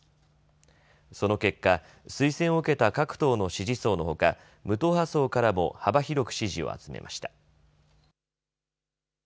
その結果、推薦を受けた各党の支持層のほか無党派層からも幅広く支持を集めました。